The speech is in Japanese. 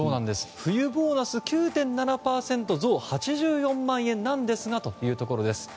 冬ボーナス９．７％増８４万円なんですがというところです。